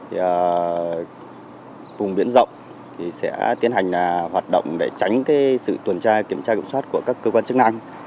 cùng biển rộng sẽ tiến hành hoạt động để tránh sự tuần tra kiểm tra kiểm soát của các cơ quan chức năng